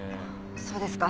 そうですか。